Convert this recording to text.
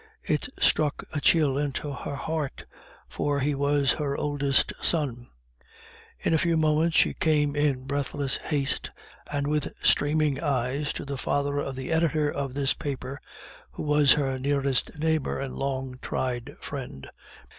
It struck a chill into her heart, for he was her oldest son. In a few moments she came in breathless haste, and with streaming eyes, to the father of the editor of this paper, who was her nearest neighbor, and long tried friend.